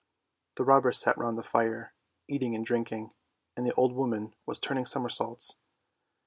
The robbers sat round the fire, eating and drinking, and the old woman was turning somersaults.